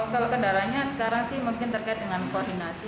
kalau kendalanya sekarang sih mungkin terkait dengan koordinasi